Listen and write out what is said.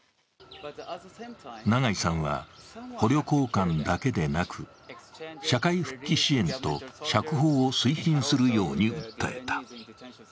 永井さんは、捕虜交換だけでなく、社会復帰支援と釈放を推進するように訴えた。